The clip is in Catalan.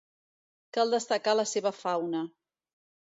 Cal destacar la seva fauna.